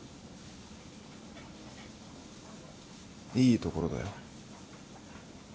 いいところだよ。